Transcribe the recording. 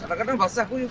kadang kadang basah kuyuk